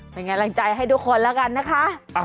เป็นไงล่างใจให้ทุกคนละกันนะคะ